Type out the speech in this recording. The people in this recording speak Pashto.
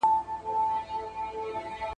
سترګې یې د سپېدې چاودلو په هیله پټې وساتلې.